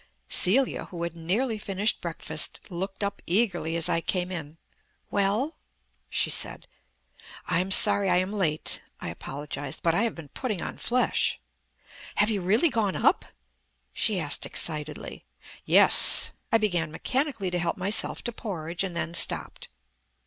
Celia, who had nearly finished breakfast, looked up eagerly as I came in. "Well?" she said. "I am sorry I am late," I apologized, "but I have been putting on flesh." "Have you really gone up?" she asked excitedly. "Yes." I began mechanically to help myself to porridge, and then stopped.